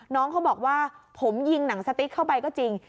น้องเขาบอกว่าผมยิงหนังสติ๊กเข้าไปก็จริง